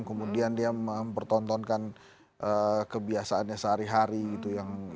kemudian dia mempertontonkan kebiasaannya sehari hari gitu